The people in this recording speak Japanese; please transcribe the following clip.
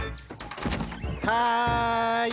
はい。